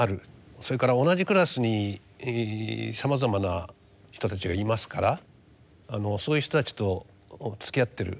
それから同じクラスにさまざまな人たちがいますからそういう人たちとつきあっている。